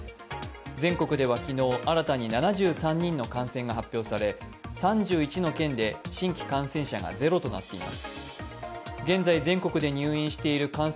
全国では昨日、新たに７３人の感染が発表され、３１の県で新規感染者が０となっています。